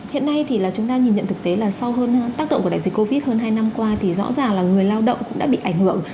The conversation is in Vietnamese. hiện nay thì chúng ta nhìn nhận thực tế là sau hơn tác động của đại dịch covid hơn hai năm qua thì rõ ràng là người lao động cũng đã bị ảnh hưởng